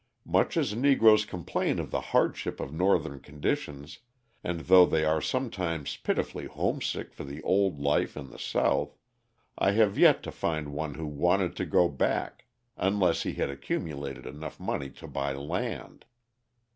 Much as Negroes complain of the hardship of Northern conditions, and though they are sometimes pitifully homesick for the old life in the South, I have yet to find one who wanted to go back unless he had accumulated enough money to buy land.